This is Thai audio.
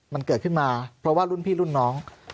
มันเกิดขึ้นมาเพราะว่ารุ่นพี่รุ่นน้อง